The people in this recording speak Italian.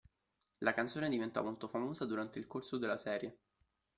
La canzone diventò molto famosa durante il corso della serie.